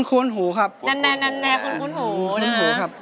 คุ้นหูครับคุ้นหูนะครับ